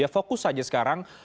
fokus saja sekarang